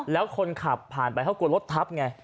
แล้วคนขับผ่านไปเขากลัวรถทับไง